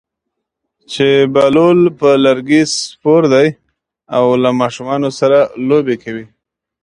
چې بهلول پر لرګي سپور دی او له ماشومانو سره لوبې کوي.